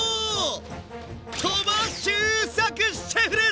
鳥羽周作シェフです！